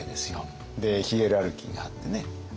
でヒエラルキーがあってね。